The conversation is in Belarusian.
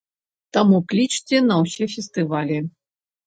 Таму клічце на ўсе фестывалі!